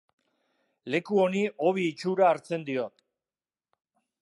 Leku honi hobi itxura hartzen diot.